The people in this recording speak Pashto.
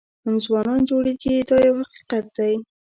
هم ځوانان جوړېږي دا یو حقیقت دی.